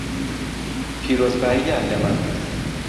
پیرۆزبایییان لێمان کرد